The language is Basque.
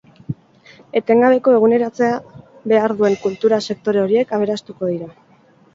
Etengabeko eguneratzea behar duen kultura sektore horiek aberastuko dira.